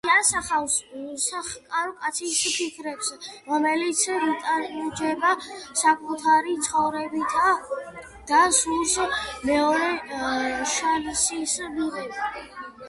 ტექსტი ასახავს უსახლკარო კაცის ფიქრებს, რომელიც იტანჯება საკუთარი ცხოვრებით და სურს მეორე შანსის მიღება.